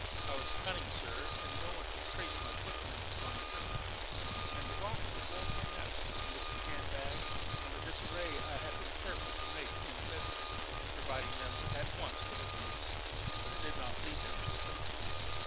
I was cunning, sir; and no one could trace my footprints on the turf and rock of Woeful Ness. The missing hand bag, and the disarray I had been careful to make in the bed room, provided them at once with a clue but it did not lead them to the Quick Boy.